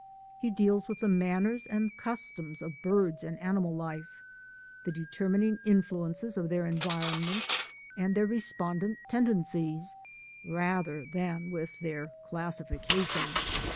He deals with the manners and customs of bird and animal life — the deter mining influences of their environment and their respondent tendencies— rather than with their 2 S o THE ADVENTURES OF A NATURE GUIDE classification.